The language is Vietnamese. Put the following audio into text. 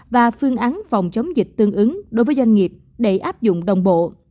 và phương án phòng chống dịch tương ứng đối với doanh nghiệp để áp dụng đồng bộ